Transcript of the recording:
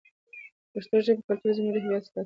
د پښتو ژبې کلتور زموږ د هویت ستنه ده.